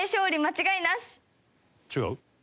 違う？